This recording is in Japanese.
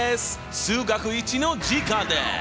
数学Ⅰの時間です！